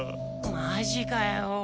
魔ジかよ。